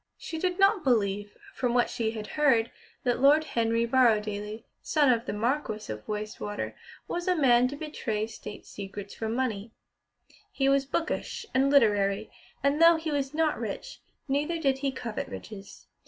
She did not believe, from what she had heard, that Lord Henry Borrowdaile, son of the Marquis of Wastwater, was a man to betray State secrets for money. He was "bookish" and literary, and though he was not rich, neither did he covet riches.